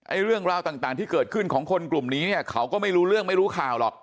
เรื่องราวต่างที่เกิดขึ้นของคนกลุ่มนี้เนี่ยเขาก็ไม่รู้เรื่องไม่รู้ข่าวหรอก